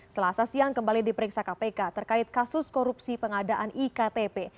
selasa siang kembali diperiksa kpk terkait kasus korupsi pengadaan iktp